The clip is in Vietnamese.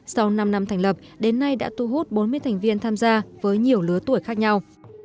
sau năm năm thành lập đến nay đã thu hút bốn mươi thành viên tham gia với nhiều lứa tuổi khác nhau